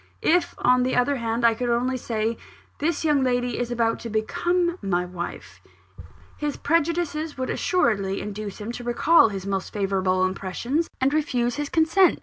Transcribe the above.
If, on the other hand, I could only say, 'This young lady is about to become my wife,' his prejudices would assuredly induce him to recall his most favourable impressions, and refuse his consent.